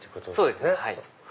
そうですねはい。